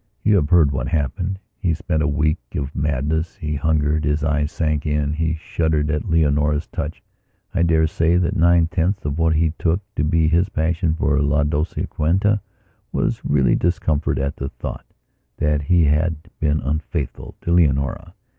You have heard what happened. He spent a week of madness; he hungered; his eyes sank in; he shuddered at Leonora's touch. I dare say that nine tenths of what he took to be his passion for La Dolciquita was really discomfort at the thought that he had been unfaithful to Leonora.